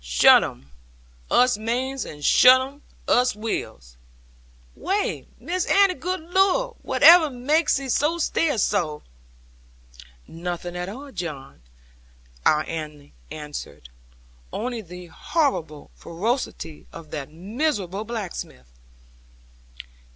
Shutt 'un, us manes; and shutt 'un, us will " Whai, Miss Annie, good Lord, whuttiver maks 'ee stear so?' 'Nothing at all, John,' our Annie answered; 'only the horrible ferocity of that miserable blacksmith.'